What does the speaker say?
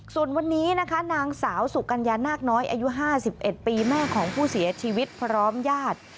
ส่วนวันนี้นะคะนางสาวสุกัญญานาคน้อยอายุ๕๑ปีแม่ของผู้เสียชีวิตพร้อมญาติ